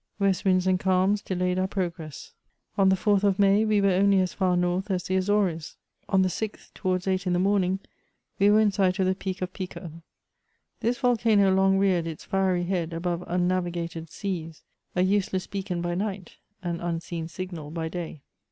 West winds and calms delayed our progress. On the 4tn of May we were only as far north as the Azores. On the 6th, towards eight in the morning, we were in sight of the Peak of Pico. This volcano long reared its fiery •head above unnavigated seas; a useless beacon by night, an un seen signal by day.